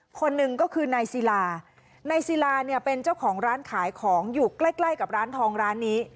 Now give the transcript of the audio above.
คนหนึ่งก็คือนายศิลานายศิลาเนี่ยเป็นเจ้าของร้านขายของอยู่ใกล้ใกล้กับร้านทองร้านนี้